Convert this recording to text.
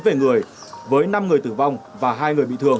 về người với năm người tử vong và hai người bị thương